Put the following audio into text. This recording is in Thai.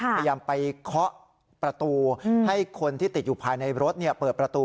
พยายามไปเคาะประตูให้คนที่ติดอยู่ภายในรถเปิดประตู